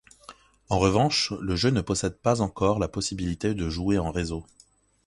En revanche le jeu ne possède pas encore la possibilité de jouer en réseau.